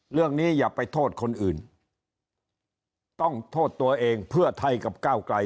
อย่าไปโทษคนอื่นต้องโทษตัวเองเพื่อไทยกับก้าวไกล